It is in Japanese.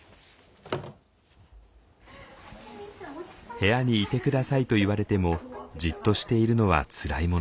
「部屋にいて下さい」と言われてもじっとしているのはつらいものです。